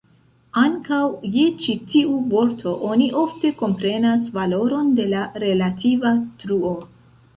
Ankaŭ je ĉi tiu vorto oni ofte komprenas valoron de la relativa truo.